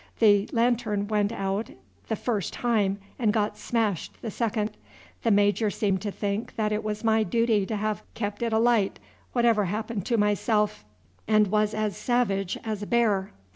The lantern went out the first time, and got smashed the second. The major seemed to think that it was my duty to have kept it alight whatever happened to myself, and was as savage as a bear.